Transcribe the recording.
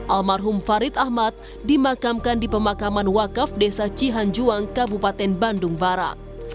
almarhum farid ahmad dimakamkan di pemakaman wakaf desa cihanjuang kabupaten bandung barat